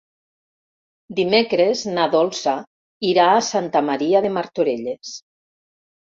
Dimecres na Dolça irà a Santa Maria de Martorelles.